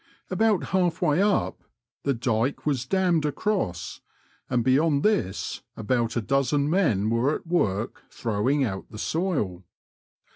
About half way np, the dyke was dammed across, and beyond this about a dozen men were at work throwing out the soil.